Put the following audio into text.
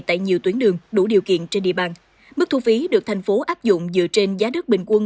tại nhiều tuyến đường đủ điều kiện trên địa bàn mức thu phí được thành phố áp dụng dựa trên giá đất bình quân